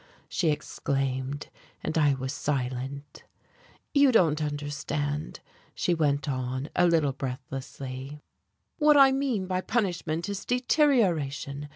she exclaimed, and I was silent. "You don't understand," she went on, a little breathlessly, "what I mean by punishment is deterioration.